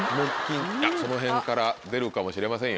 そのへんから出るかもしれません。